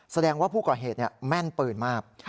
แสดงว่าผู้ก่อเหตุแม่นปืนมาก